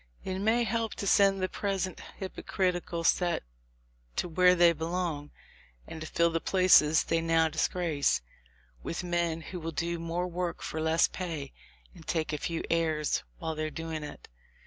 It may help to send the pres ent hypocritical set to where they belong, and to nil the places they now disgrace, with men who will do more work for less pay, and take a fewer airs while they are doing it.